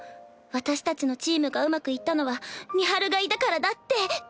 私たちのチームがうまくいったのは美晴がいたからだって。